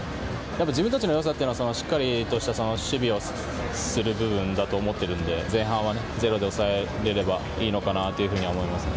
やっぱ自分たちのよさっていうのは、しっかりとした守備をする部分だと思ってるんで、前半はゼロで抑えれればいいのかなというふうに思います。